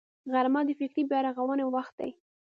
غرمه د فکري بیا رغونې وخت دی